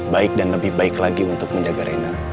baik dan lebih baik lagi untuk menjaga reina